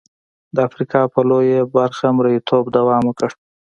د افریقا په لویه برخه مریتوب دوام وکړ.